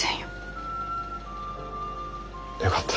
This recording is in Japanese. よかった。